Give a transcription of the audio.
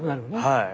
はい。